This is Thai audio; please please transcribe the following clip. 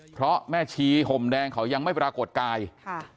เพราะแม่ชีห่มแดงเขายังไม่ปรากฏกายค่ะ